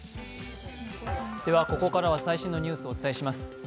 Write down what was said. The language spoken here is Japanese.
ここからは最新のニュースお伝えします。